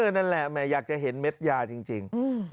อ๋อนั่นแหละอยากจะเห็นเม็ดณ์ยาจริง